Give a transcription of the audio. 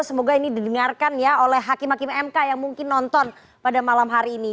semoga ini didengarkan ya oleh hakim hakim mk yang mungkin nonton pada malam hari ini